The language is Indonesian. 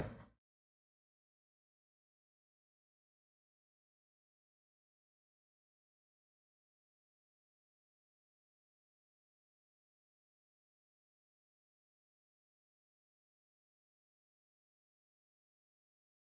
kiin aku smashing dimotivasi disini atau lagi